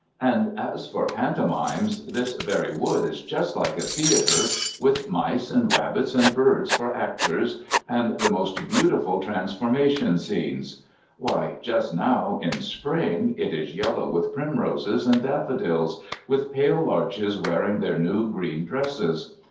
And as for pantomimes this very wood is just like a theatre, with mice and rabbits and birds for actors, and the most beautiful transformation scenes. Why, just now in Spring it is yellow with primroses and daffodils, with pale larches wearing their new green dresses.